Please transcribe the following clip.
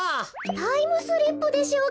タイムスリップでしょうか？